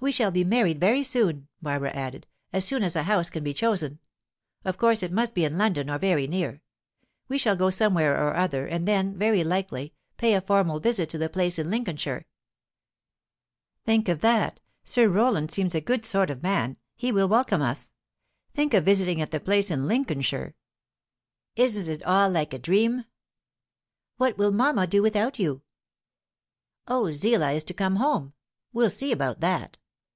"We shall be married very soon," Barbara added; "as soon as a house can be chosen. Of course it must be in London, or very near. We shall go somewhere or other, and then, very likely, pay a formal visit to the 'place in Lincolnshire.' Think of that! Sir Roland seems a good sort of man; he will welcome us. Think of visiting at the 'place in Lincolnshire'! Isn't it all like a dream?" "What will mamma do without you?" "Oh, Zillah is to come home. We'll see about that."